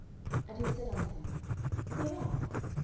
And he said unto him, Say on.